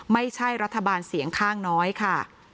ไม่ใช่รัฐบาลเสียงข้างน้อยค่ะ